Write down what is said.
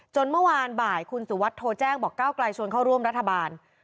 เมื่อวานบ่ายคุณสุวัสดิโทรแจ้งบอกก้าวไกลชวนเข้าร่วมรัฐบาล